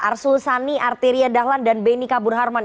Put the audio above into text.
arsul sani art riyad zahlan dan beni kabur harman